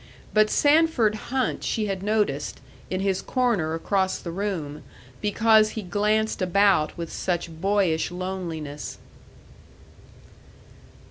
But Sanford Hunt she had noticed, in his corner across the room, because he glanced about with such boyish loneliness.